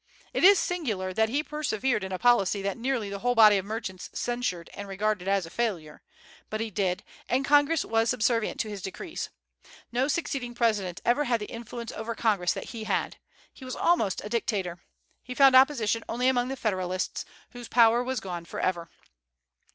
It is singular that he persevered in a policy that nearly the whole body of merchants censured and regarded as a failure; but he did, and Congress was subservient to his decrees. No succeeding president ever had the influence over Congress that he had. He was almost a dictator. He found opposition only among the Federalists, whose power was gone forever.